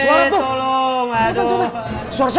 jagain apa yang gendong